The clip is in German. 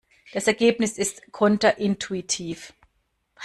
Das Ergebnis ist konterintuitiv.